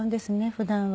普段は。